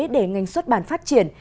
để ngành xuất bản phát triển